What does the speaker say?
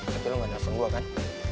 tapi lu gak ada telfon gue kan